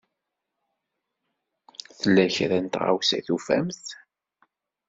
Tella kra n tɣawsa i tufamt?